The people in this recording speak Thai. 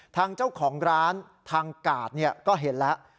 ทางเจ้าของร้านทางกาดก็เห็นแล้ว